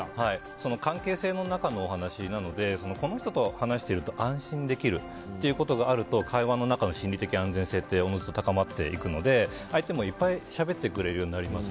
関係性の中のお話なのでこの人と話してると安心できるっていうことがあると会話の中の心理的安全性っておのずと高まっていくので相手もいっぱいしゃべってくれるようになります。